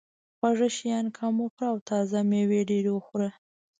خواږه شیان کم وخوره او تازه مېوې ډېرې وخوره.